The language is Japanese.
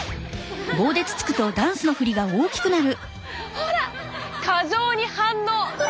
ほら過剰に反応！